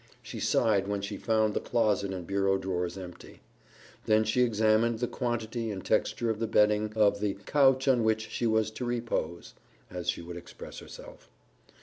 She sighed when she found the closet and bureau drawers empty. Then she examined the quantity and texture of the bedding of the "couch on which she was to repose," as she would express herself.